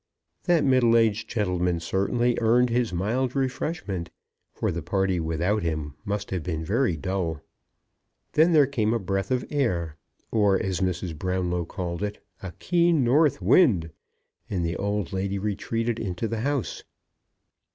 That middle aged gentleman certainly earned his mild refreshment; for the party without him must have been very dull. Then there came a breath of air, or, as Mrs. Brownlow called it, a keen north wind; and the old lady retreated into the house.